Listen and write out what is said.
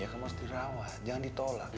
ya kamu harus dirawat jangan ditolak